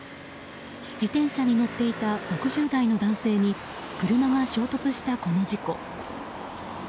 自転車に乗っていた６０代の男性に車が衝突したこの事故。